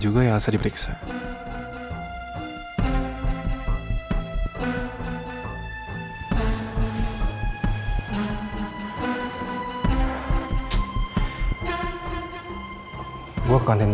aku selesai meeting aku mau pulang ya ma